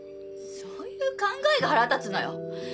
そういう考えが腹立つのよ